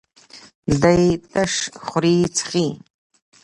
دی تش خوري څښي.